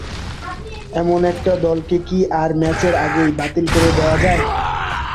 এমন একটা দলকে কি আর ম্যাচের আগেই বাতিল করে দেওয়া যায়?